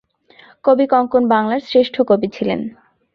কবি-কঙ্কন বাঙলার শ্রেষ্ঠ কবি ছিলেন।